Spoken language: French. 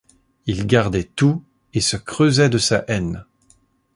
Il gardait tout, et se creusait de sa haine.